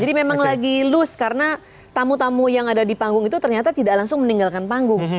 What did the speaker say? jadi memang lagi loose karena tamu tamu yang ada di panggung itu ternyata tidak langsung meninggalkan panggung